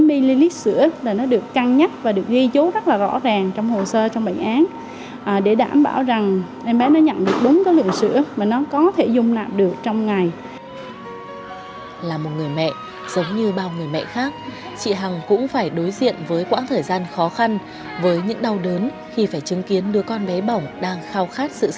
mình nghĩ rằng là có thể nào em bé mình thể sống được